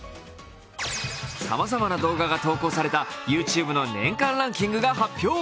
さまざまな動画が投稿されたＹｏｕＴｕｂｅの年間ランキングが発表。